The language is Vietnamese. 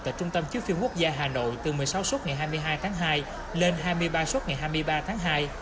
tại trung tâm chiếu phim quốc gia hà nội từ một mươi sáu xuất ngày hai mươi hai tháng hai lên hai mươi ba xuất ngày hai mươi ba tháng hai